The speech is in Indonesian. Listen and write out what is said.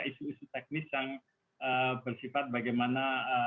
isu isu teknis yang bersifat bagaimana